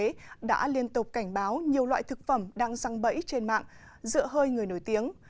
y tế đã liên tục cảnh báo nhiều loại thực phẩm đang răng bẫy trên mạng dựa hơi người nổi tiếng